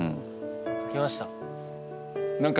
書けました。